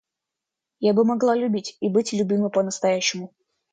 Я бы могла любить и быть любима по-настоящему.